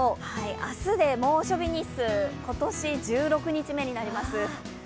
明日で猛暑日の日数、今年１６日目になります。